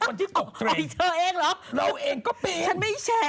เพราะฉันกลัวเป็นคนที่ตกเตรน